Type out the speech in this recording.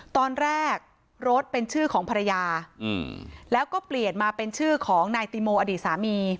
ตอนแรกรถเป็นชื่อของภรรยาแล้วก็เปลี่ยนมาเป็นชื่อของนายติโมอดีตสามี